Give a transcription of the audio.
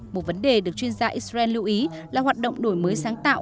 một vấn đề được chuyên gia israel lưu ý là hoạt động đổi mới sáng tạo